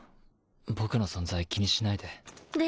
僕の存在気にしないで。